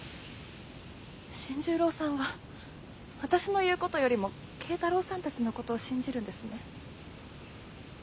新十郎さんは私の言うことよりも慶太朗さんたちのことを信じるんですね。